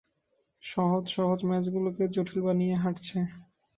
সহজ-সহজ match গুলোকে জটিল বানিয়ে হারছে।